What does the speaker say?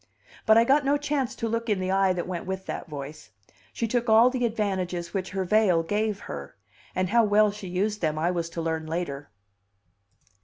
But I got no chance to look in the eye that went with that voice; she took all the advantages which her veil gave her; and how well she used them I was to learn later.